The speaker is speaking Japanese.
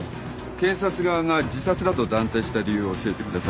検察側が自殺だと断定した理由を教えてください。